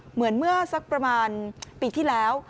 เหมือนเมื่อสักประมาณปีที่แล้ว